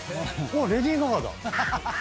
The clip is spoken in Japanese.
わっレディー・ガガだ！